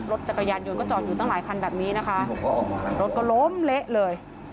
รถจักรยานยนต์ก็จอดอยู่ตั้งหลายคันแบบนี้นะคะรถก็ล้มเละเลย